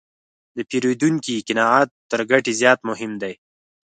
د پیرودونکي قناعت تر ګټې زیات مهم دی.